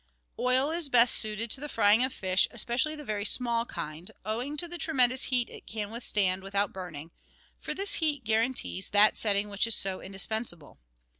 Oil is best suited to the frying of fish, especially the very small kind, owing to the tremendous heat it can withstand with out burning, for this heat guarantees that setting which is so indispensable.